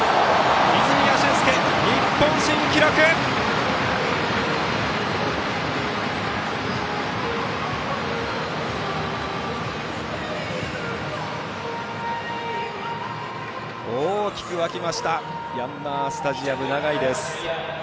泉谷駿介、日本新記録！大きく沸きましたヤンマースタジアム長居です。